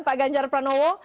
pak ganjar pranowo